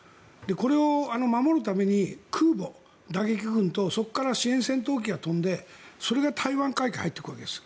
これを守るために空母打撃群とそこから支援戦闘機が飛んでそれが台湾海域へ入っていくんです。